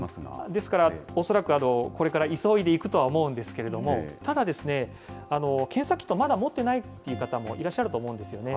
ですから恐らくこれから急いでいくとは思うんですけれども、ただですね、検査キット、まだ持ってないという方もいらっしゃると思うんですよね。